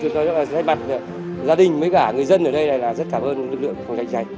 chúng tôi rất là trách mặt gia đình với cả người dân ở đây là rất cảm ơn lực lượng phòng cháy cháy